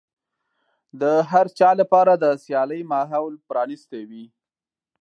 د هر چا لپاره د سيالۍ ماحول پرانيستی وي.